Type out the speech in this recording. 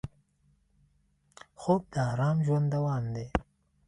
خوب د ارام ژوند دوام دی